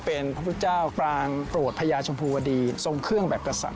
เป็นพระพุทธเจ้าปรางโปรดพญาชมพูวดีทรงเครื่องแบบกษัตริย